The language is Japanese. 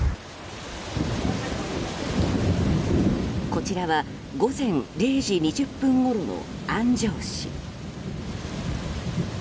こちらは午前０時２０分ごろの安城市。